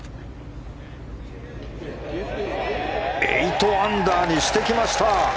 ８アンダーにしてきました！